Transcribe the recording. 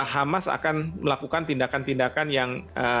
hamas akan melakukan tindakan tindakan yang